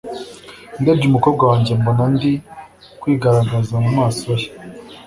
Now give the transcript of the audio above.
ndebye umukobwa wanjye mbona ndi kwigaragaza mumaso ye